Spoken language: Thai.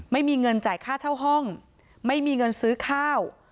ไม่มีเงินจ่ายค่าเช่าห้องไม่มีเงินซื้อข้าว